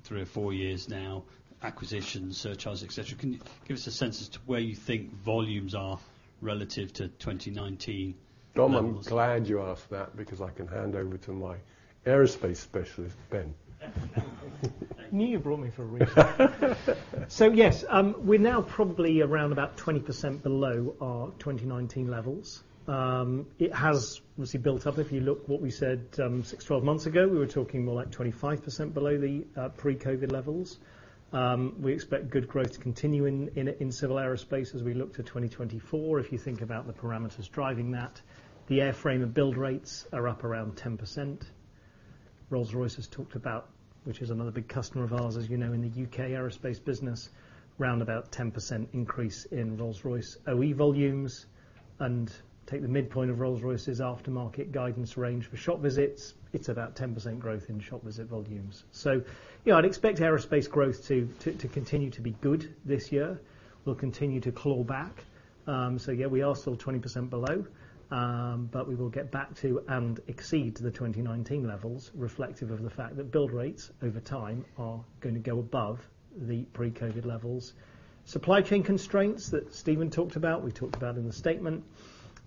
three or four years now, acquisitions, surcharges, et cetera. Can you give us a sense as to where you think volumes are relative to 2019? Don, I'm glad you asked that, because I can hand over to my aerospace specialist, Ben. I knew you brought me for a reason. So yes, we're now probably around about 20% below our 2019 levels. It has obviously built up. If you look what we said, six, twelve months ago, we were talking more like 25% below the pre-COVID levels. We expect good growth to continue in civil aerospace as we look to 2024. If you think about the parameters driving that, the airframe build rates are up around 10%. Rolls-Royce has talked about, which is another big customer of ours, as you know, in the U.K. aerospace business, around about 10% increase in Rolls-Royce OE volumes, and take the midpoint of Rolls-Royce's aftermarket guidance range for shop visits, it's about 10% growth in shop visit volumes. Yeah, I'd expect aerospace growth to continue to be good this year. We'll continue to claw back. So yeah, we are still 20% below, but we will get back to and exceed the 2019 levels, reflective of the fact that build rates over time are gonna go above the pre-COVID levels. Supply chain constraints that Stephen talked about, we talked about in the statement.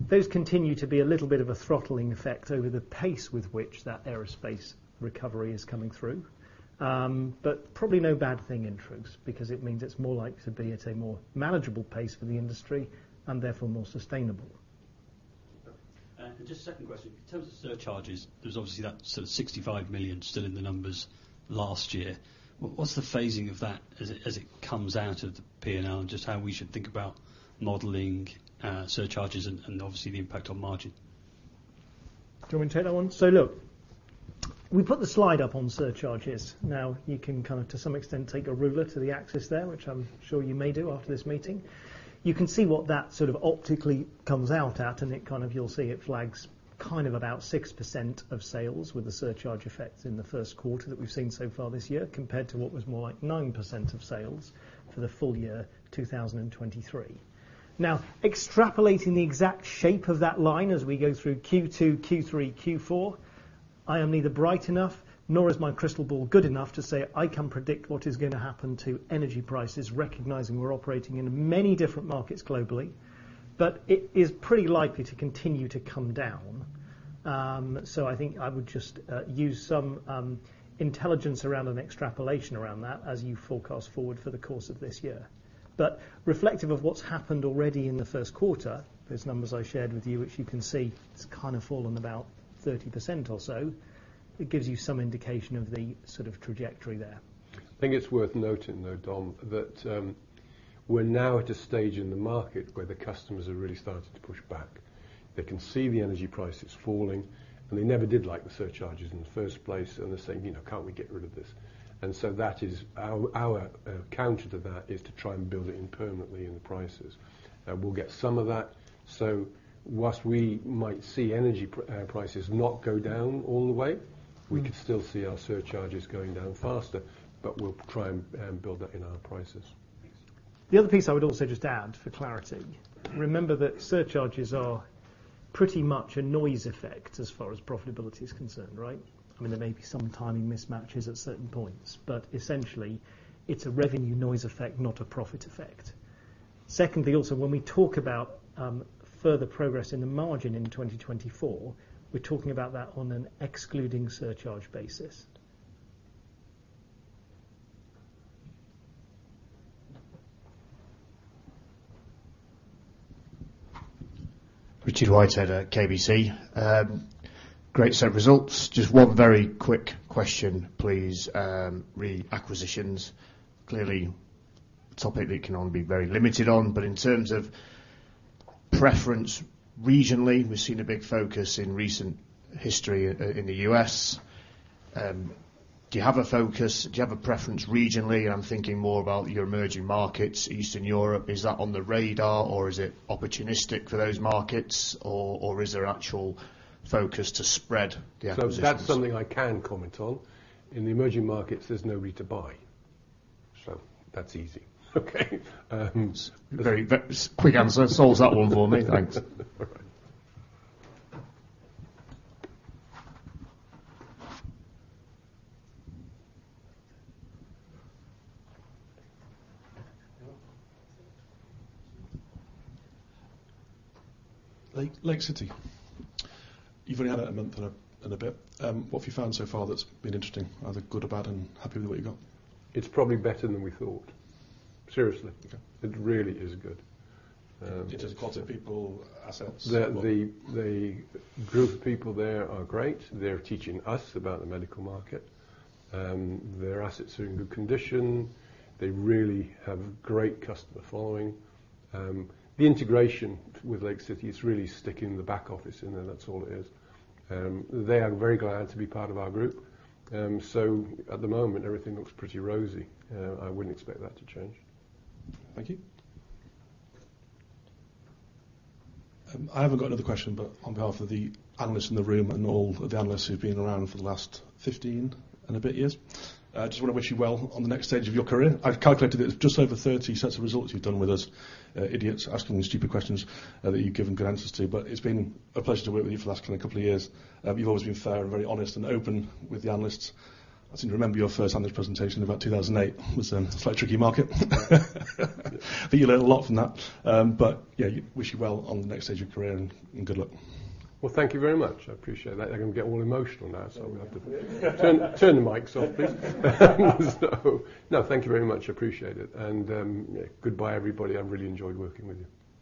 Those continue to be a little bit of a throttling effect over the pace with which that aerospace recovery is coming through. But probably no bad thing in truth, because it means it's more likely to be at a more manageable pace for the industry, and therefore more sustainable. And just a second question. In terms of surcharges, there's obviously that sort of 65 million still in the numbers last year. What, what's the phasing of that as it, as it comes out of the P&L, and just how we should think about modeling, surcharges and, and obviously the impact on margin? Do you want me to take that one? So look, we put the slide up on surcharges. Now, you can kind of, to some extent, take a ruler to the axis there, which I'm sure you may do after this meeting. You can see what that sort of optically comes out at, and it kind of, you'll see it flags kind of about 6% of sales with the surcharge effects in the first quarter that we've seen so far this year, compared to what was more like 9% of sales for the full year, 2023. Now, extrapolating the exact shape of that line as we go through Q2, Q3, Q4, I am neither bright enough, nor is my crystal ball good enough to say I can predict what is going to happen to energy prices, recognizing we're operating in many different markets globally. But it is pretty likely to continue to come down. So I think I would just use some intelligence around an extrapolation around that as you forecast forward for the course of this year. But reflective of what's happened already in the first quarter, those numbers I shared with you, which you can see, it's kind of fallen about 30% or so. It gives you some indication of the sort of trajectory there. I think it's worth noting, though, Dom, that we're now at a stage in the market where the customers are really starting to push back. They can see the energy prices falling, and they never did like the surcharges in the first place, and they're saying, "You know, can't we get rid of this?" And so that is our counter to that, is to try and build it in permanently in the prices. And we'll get some of that, so while we might see energy prices not go down all the way, we could still see our surcharges going down faster, but we'll try and build that in our prices. The other piece I would also just add for clarity, remember that surcharges are pretty much a noise effect as far as profitability is concerned, right? I mean, there may be some timing mismatches at certain points, but essentially, it's a revenue noise effect, not a profit effect. Secondly, also, when we talk about further progress in the margin in 2024, we're talking about that on an excluding surcharge basis. Richard Withagen at KBC. Great set of results. Just one very quick question, please, re acquisitions. Clearly, a topic that you can only be very limited on, but in terms of preference, regionally, we've seen a big focus in recent history in the U.S. Do you have a focus, do you have a preference regionally? I'm thinking more about your emerging markets, Eastern Europe. Is that on the radar, or is it opportunistic for those markets, or is there actual focus to spread the acquisitions? So that's something I can comment on. In the emerging markets, there's nobody to buy, so that's easy. Okay. Very, very quick answer. Solves that one for me. Thanks. Lake City. You've only had it a month and a bit. What have you found so far that's been interesting, either good or bad, and happy with what you got? It's probably better than we thought. Seriously. Okay. It really is good. In terms of quality of people, assets, what? The group of people there are great. They're teaching us about the medical market. Their assets are in good condition. They really have great customer following. The integration with Lake City is really sticking the back office in there, that's all it is. They are very glad to be part of our group. So at the moment, everything looks pretty rosy, I wouldn't expect that to change. Thank you. I haven't got another question, but on behalf of the analysts in the room and all of the analysts who've been around for the last 15 and a bit years, I just want to wish you well on the next stage of your career. I've calculated it's just over 30 sets of results you've done with us, idiots asking you stupid questions, that you've given good answers to. But it's been a pleasure to work with you for the last kind of couple of years. You've always been fair and very honest and open with the analysts. I seem to remember your first analyst presentation in about 2008. It was a slightly tricky market. But you learned a lot from that. But yeah, wish you well on the next stage of your career, and good luck. Well, thank you very much. I appreciate that. I'm gonna get all emotional now, so I'm gonna have to turn the mics off, please. So no, thank you very much. I appreciate it, and goodbye, everybody. I've really enjoyed working with you.